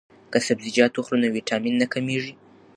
که سبزیجات وخورو نو ویټامین نه کمیږي.